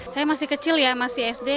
saya masih kecil ya masih sd